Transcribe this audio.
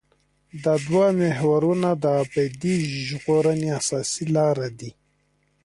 دا دوه محورونه د ابدي ژغورنې اساسي لاره دي.